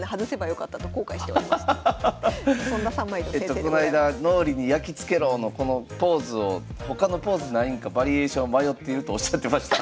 この間「脳裏にやきつけろ！」のこのポーズを他のポーズないんかバリエーション迷っているとおっしゃってました。